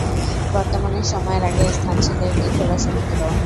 বর্তমান সময়ের আগে এ স্থান ছিল একটি খোলা সমুদ্র।